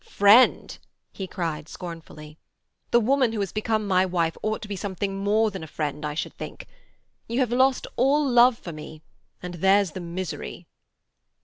"Friend!" he cried scornfully. "The woman who has become my wife ought to be something more than a friend, I should think. You have lost all love for me—there's the misery."